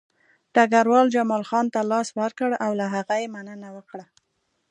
ډګروال جمال خان ته لاس ورکړ او له هغه یې مننه وکړه